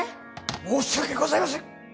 申し訳ございません！